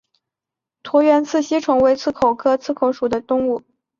鸻刺缘吸虫为棘口科刺缘属的动物。